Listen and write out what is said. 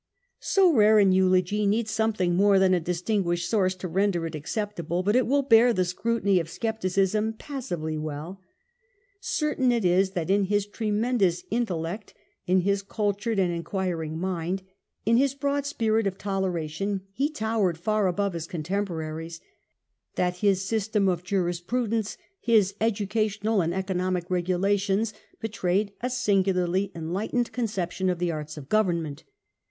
So rare an eulogy needs some thing more than a distinguished source to render it acceptable, but it will bear the scrutiny of scepticism passably well. Certain it is that in his tremendous intellect, in his cultured and enquiring mind, in his broad spirit of toleration, he towered far above his contemporaries : that his system of jurisprudence, his educational and economic regulations, betrayed a singu larly enlightened conception of the arts of government.